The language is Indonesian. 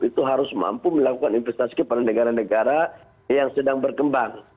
itu harus mampu melakukan investasi kepada negara negara yang sedang berkembang